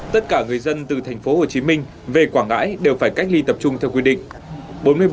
tất cả người dân từ tp hcm về quảng ngãi đều phải cách ly tập trung theo quy định